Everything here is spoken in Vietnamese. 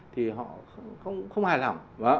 thì họ không hài lòng